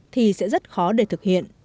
thì sẽ rất khó để thực hiện